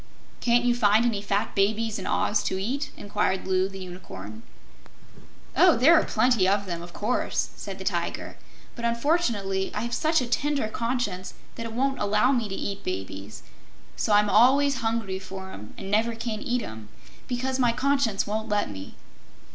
"Can't you find any fat babies in Oz to eat?" inquired Loo, the Unicorn. "There are plenty of them, of course," said the Tiger, "but unfortunately I have such a tender conscience that it won't allow me to eat babies. So I'm always hungry for 'em and never can eat 'em, because my conscience won't let me."